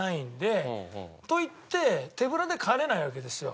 といって手ぶらで帰れないわけですよ。